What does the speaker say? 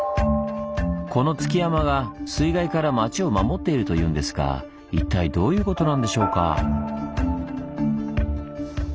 この築山が水害から町を守っているというんですが一体どういうことなんでしょうか？